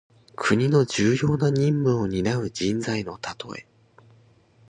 国の重要な任務をになう人材のたとえ。